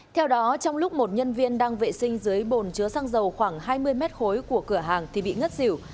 theo đó trong lúc một nhân viên đang vệ sinh dưới bồn chứa xăng dầu khoảng hai mươi mét khối của cửa hàng thì bị ngất xỉu